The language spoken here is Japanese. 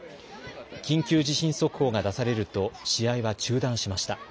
緊急地震速報が出されると、試合は中断しました。